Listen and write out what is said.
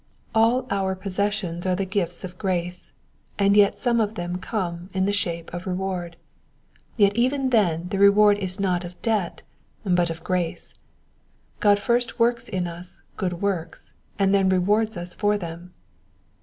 '^ All our possessions are the gifts of grace, and yet some of them come in the shape of reward ; yet even then the reward is not of debt, but of grace. God first works in us good works, and then rewards us for them.